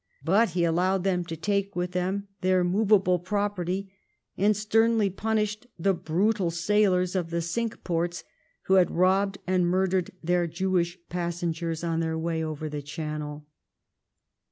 But he allowed them to take with them their movable property, and sternly punished the brutal sailors of the Cinque Ports who had robbed and murdered their Jewish jiassengers on their way over the Channel.